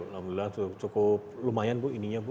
alhamdulillah cukup lumayan bu ininya bu